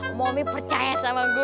om omie percaya sama gue